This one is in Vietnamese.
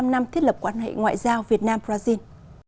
bảy mươi năm năm thiết lập quan hệ ngoại giao việt nam brazil